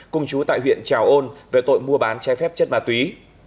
cùng chú tại huyện trào ôn về tội mua bán trái phép chất ma túy